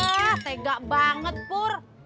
wah tega banget pur